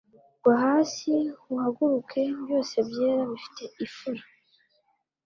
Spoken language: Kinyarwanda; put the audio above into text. gwa hasi uhaguruke, byose byera bifite ifuro